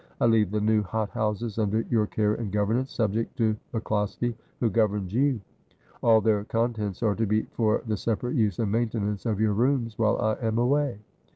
I leave the new hot houses under your care and governance, subject to MacCloskie, who governs you. All their contents are to be for the separate use and maintenance of your rooms while I am away.'